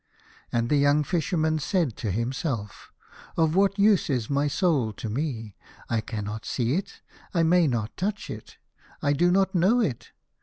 And the young Fisherman said to himself, " Of what use is my soul to me ? I cannot see it. I may not touch it. I do not know it.